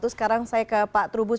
sekarang saya ke pak trubus